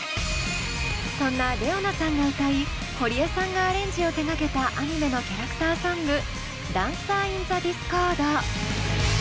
そんなＲｅｏＮａさんが歌い堀江さんがアレンジを手がけたアニメのキャラクターソング「ＤａｎｃｅｒｉｎｔｈｅＤｉｓｃｏｒｄ」。